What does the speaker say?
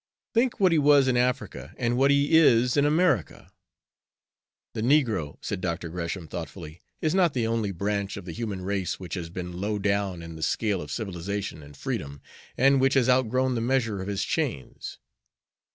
Think what he was in Africa and what he is in America!" "The negro," said Dr. Gresham, thoughtfully, "is not the only branch of the human race which has been low down in the scale of civilization and freedom, and which has outgrown the measure of his chains.